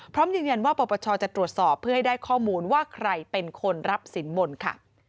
พร้อมยืนยันว่าปปชจะตรวจสอบเพื่อให้ได้ข้อมูลว่าใครเป็นคนรับสินบนค่ะ